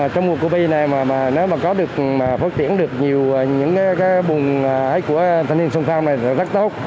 trong cuộc cuộc bi này nếu mà có được phát triển được nhiều những cái bùng hãy của thanh niên sông phao này rất tốt